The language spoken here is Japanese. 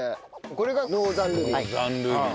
これがノーザンルビー。